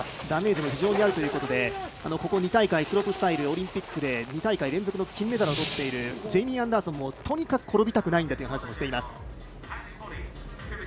ダメージも非常にあるということでここ２大会オリンピックで２大会連続の金メダルをとっているジェイミー・アンダーソンもとにかく転びたくないんだという話をしています。